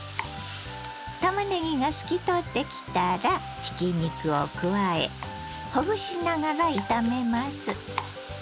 たまねぎが透き通ってきたらひき肉を加えほぐしながら炒めます。